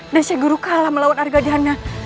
dan sheikh guru kalah melawan arga dana